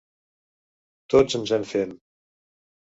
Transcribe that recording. Tots ens en fem.